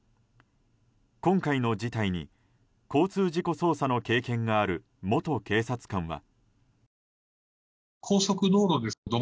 今回の事態に交通事故捜査の経験がある元警察官は。